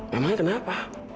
loh emangnya kenapa